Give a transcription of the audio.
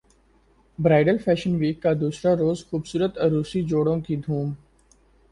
bridal fashion week کا دوسرا روز خوبصورت عروسی جوڑوں کی دھوم